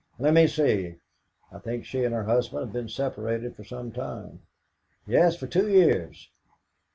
"Let me see: I think she and her husband have been separated for some time." "Yes, for two years."